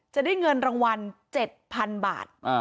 จะได้เงินรางวัล๗๐๐๐บาท